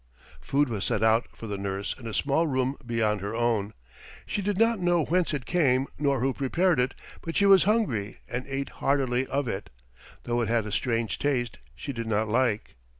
Food was set out for the nurse in a small room beyond her own. She did not know whence it came, nor who prepared it, but she was hungry and ate heartily of it, though it had a strange taste she did not like.